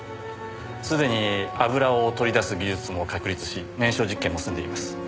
すでに油をとり出す技術も確立し燃焼実験も済んでいます。